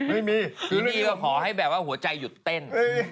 ไม่มีที่นี่ก็ขอให้แบบว่าหัวใจหยุดเต้น